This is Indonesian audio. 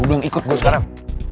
belum ikut gue sekarang